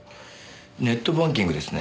ネットバンキングですね。